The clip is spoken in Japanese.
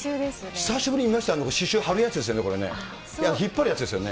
久しぶりに見ました、刺しゅうはるやつですよね？